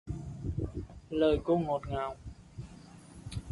Lời cô ngọt ngào